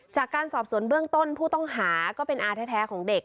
จากการสอบสวนเบื้องต้นผู้ต้องหาก็เป็นอาแท้ของเด็ก